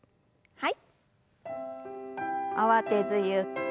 はい。